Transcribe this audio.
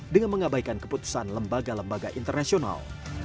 dengan mengabaikan keputusan lembaga lembaga internasional